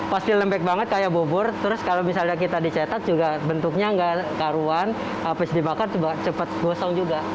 pasti lembek banget kayak bubur terus kalau misalnya kita dicetak juga bentuknya nggak karuan habis dibakar cepet gosong juga